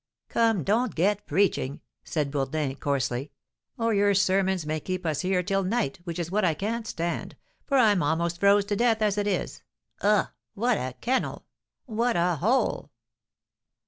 "Come, don't get preaching!" said Bourdin, coarsely, "or your sermons may keep us here till night, which is what I can't stand, for I am almost froze to death as it is. Ugh! what a kennel! what a hole!"